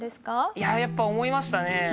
いややっぱ思いましたね。